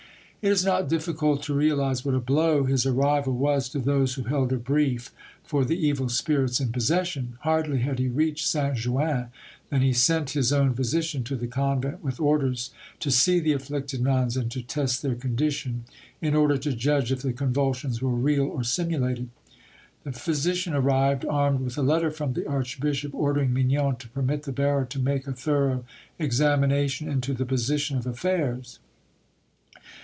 It is not difficult to realise what a blow his arrival was to those who held a brief for the evil spirits in possession; hardly had he reached Saint Jouin than he sent his own physician to the convent with orders to see the afflicted nuns and to test their condition, in order to judge if the convulsions were real or simulated. The physician arrived, armed with a letter from the archbishop, ordering Mignon to permit the bearer to make a thorough examination into the position of affairs.